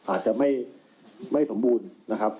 อาจจะไม่สมบูรณ์นะครับ